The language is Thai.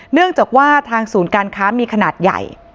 เนื่องจากว่าทางศูนย์การค้ามีขนาดใหญ่